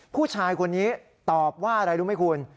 ผู้ชายคนนี้ตอบว่าอะไรรู้ไหมคุณ